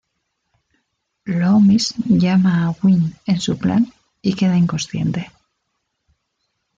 Loomis llama a Wynn en su plan y queda inconsciente.